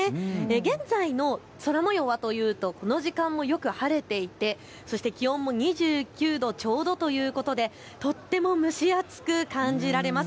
現在の空もようはというとこの時間もよく晴れていて気温も２９度ちょうどということでとっても蒸し暑く感じられます。